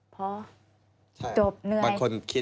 พอจบเหนื่อย